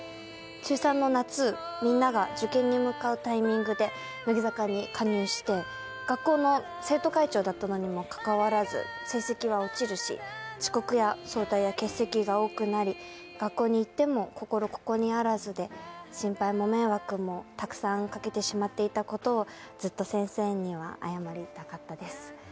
中３の夏、みんなが受験に向かうタイミングで乃木坂に加入して学校の生徒会長だったのにもかかわらず成績は落ちるし、遅刻や早退や欠席が多くなり、学校に行っても心ここにあらずで心配も迷惑もたくさんかけてしまっていたことをずっと先生には謝りたかったです。